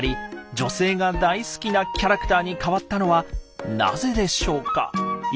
女性が大好きなキャラクターに変わったのはなぜでしょうか？